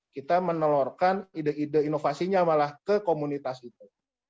kita menelurkan ide ide inovasinya malah ke komunitas itu